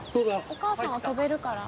お母さんは飛べるから。